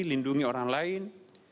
lindungi orang lain